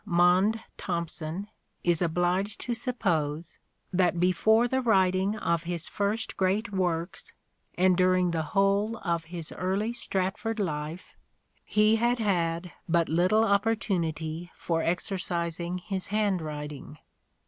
Maunde Thompson is obliged to suppose that before the writing of his first great works and during the whole of his early Stratford life he had had but little opportunity for exercising his handwriting.